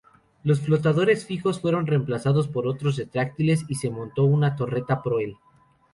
Los flotadores fijos fueron reemplazados por otros retráctiles, y se montó una torreta proel.